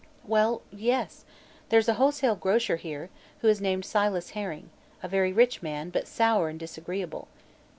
"Well yes; there's a wholesale grocer here, who is named Silas Herring, a very rich man, but sour and disagreeable."